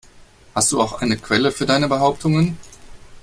Hast du auch eine Quelle für deine Behauptungen?